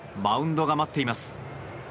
マウンドが待っています。